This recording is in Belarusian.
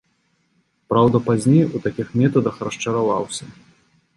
Праўда, пазней у такіх метадах расчараваўся.